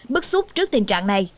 bức xúc trước tình trạng này